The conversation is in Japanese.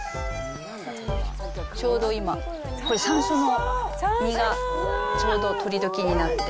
ちょうど今、これ、さんしょうの実がちょうど取り時になって。